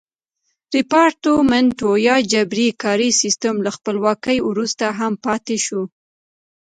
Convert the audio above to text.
ریپارټمنټو یا جبري کاري سیستم له خپلواکۍ وروسته هم پاتې شو.